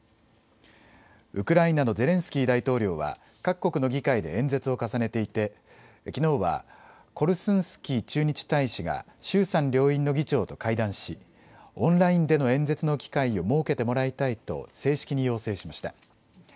ウクライナのゼレンスキー大統領は、各国の議会で演説を重ねていて、きのうはコルスンスキー駐日大使が、衆参両院の議長と会談し、オンラインでの演説の機会を設けてもらいたいと正式に要請しました。